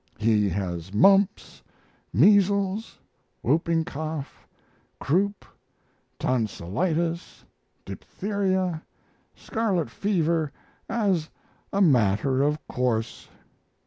He has mumps, measles, whooping cough, croup, tonsilitis, diphtheria, scarlet fever, as a matter of course.